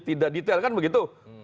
tidak detail kan begitu